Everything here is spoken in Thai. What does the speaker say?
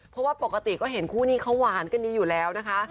เพราะว่าปกติก็เห็นคู่นี้เขาหวานกันดีอยู่แล้วนะคะ